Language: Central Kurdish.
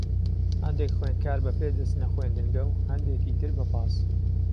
هەندێک خوێندکار بە پێ دەچنە خوێندنگە، و هەندێکی تر بە پاس.